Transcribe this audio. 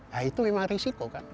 nah itu memang risiko kan